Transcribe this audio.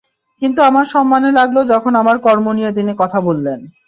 কিন্তু আমার সম্মানে লাগল যখন আমার কর্ম নিয়ে তিনি কথা বললেন।